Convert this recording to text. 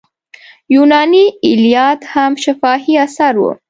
یوناني ایلیاد هم شفاهي اثر و.